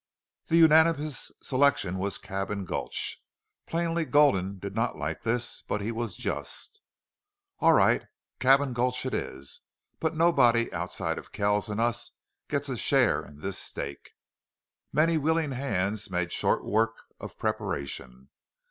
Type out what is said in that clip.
The unanimous selection was Cabin Gulch. Plainly Gulden did not like this, but he was just. "All right. Cabin Gulch it is. But nobody outside of Kells and us gets a share in this stake." Many willing hands made short work of preparation.